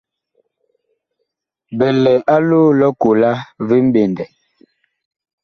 Bi lɛ a loo lʼ ɔkola vi mɓendɛ.